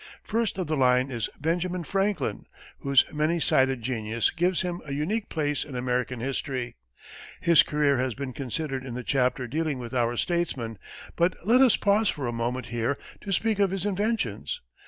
First of the line is Benjamin Franklin, whose many sided genius gives him a unique place in American history. His career has been considered in the chapter dealing with our statesmen, but let us pause for a moment here to speak of his inventions.